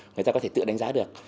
người ta có thể tự đánh giá được